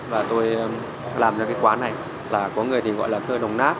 và tôi làm ra cái quán này là có người thì gọi là thơ đồng nát